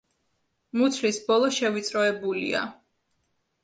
მუცლის ბოლო შევიწროებულია.